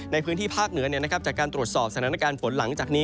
ในพื้นที่ภาคเหนือจากการตรวจสอบสถานการณ์ฝนหลังจากนี้